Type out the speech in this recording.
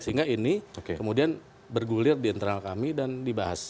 sehingga ini kemudian bergulir di internal kami dan dibahas